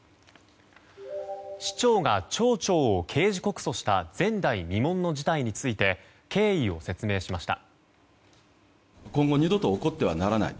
市長が町長を刑事告訴した前代未聞の事態について経緯を説明しました。